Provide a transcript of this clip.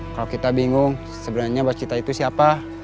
kalau kita bingung sebenarnya bos kita itu siapa